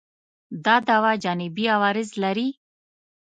دا دوا جانبي عوارض لري؟